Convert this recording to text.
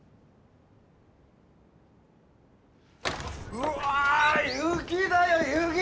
うわ雪だよ雪！